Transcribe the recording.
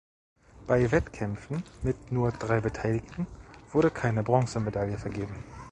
Bei Wettkämpfen mit nur drei Beteiligten wurde keine Bronzemedaille vergeben.